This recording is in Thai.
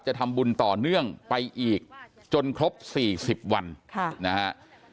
จะทำบุญต่อเนื่องไปอีกจนครบ๔๐วันนะฮะ